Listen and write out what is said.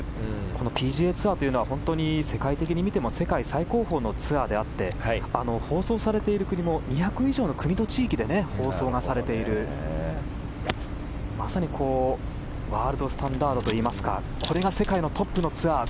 このＰＧＡツアーというのは世界的に見ても世界最高峰のツアーであって放送されている国も２００以上の国と地域で放送がされているまさにワールドスタンダードといいますかこれが世界のトップのツアー。